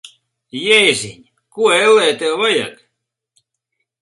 Jēziņ! Ko, ellē, tev vajag?